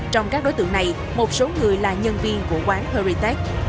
trong các đối tượng này một số người là nhân viên của quán heritage